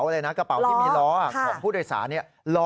อะไรนะกระเป๋าที่มีล้อของผู้โดยสาร